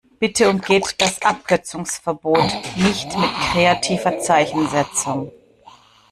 Bitte umgeht das Abkürzungsverbot nicht mit kreativer Zeichensetzung!